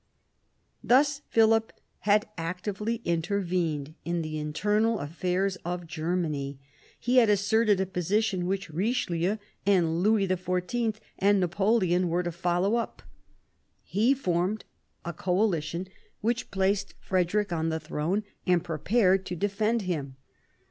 Thus Philip had actively intervened in the internal affairs of Germany. He asserted a position which Eichelieu and Louis XIV. and Napoleon were to follow up. He formed a coalition which placed Frederic on the throne, and prepared to defend him.